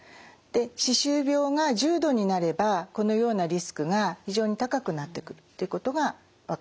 歯周病が重度になればこのようなリスクが非常に高くなってくるっていうことが分かっています。